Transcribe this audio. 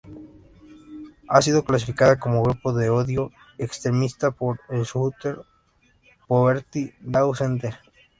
Ha sido clasificada como grupo de odio extremista por el Southern Poverty Law Center.